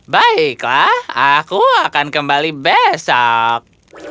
baiklah aku akan kembali besok